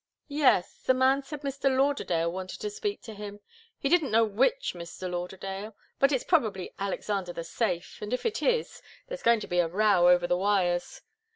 "Yes. The man said Mr. Lauderdale wanted to speak to him he didn't know which Mr. Lauderdale but it's probably Alexander the Safe, and if it is, there's going to be a row over the wires.